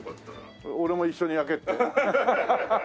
俺も一緒に焼けって？